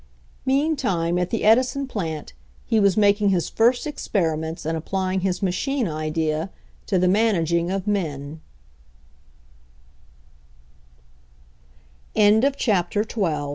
Meantime, at the Edison plant, he was making his first experiments in applying his machine idea to the managing of men.